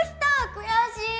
悔しい！